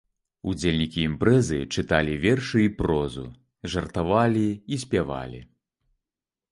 Удзельнікі імпрэзы чыталі вершы і прозу, жартавалі і спявалі.